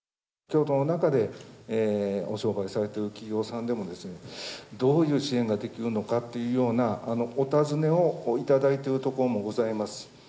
京都の中でお商売をされてる企業さんでも、どういう支援ができるのかっていうようなお尋ねをいただいてる所もございます。